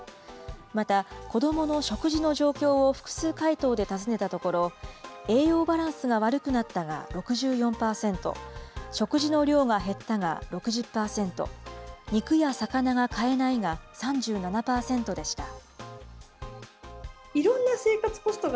また、子どもの食事の状況を複数回答で尋ねたところ、栄養バランスが悪くなったが６４％、食事の量が減ったが６０％、肉や魚が買えないが３７％でした。